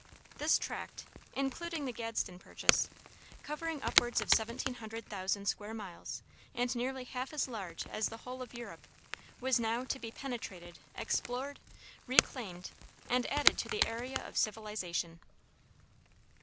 This tract, (including the Gadsden purchase,) covering upwards of seventeen hundred thousand square miles and nearly half as large as the whole of Europe, was now to be penetrated, explored, reclaimed, and added to the area of civilization.